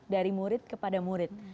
dari murid kepada murid